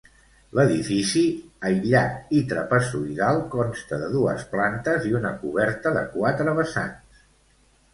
L'edifici, aïllat i trapezoidal, consta de dues plantes i una coberta de quatre vessants.